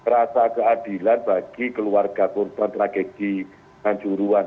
rasa keadilan bagi keluarga kurban tragedi kanjuruhan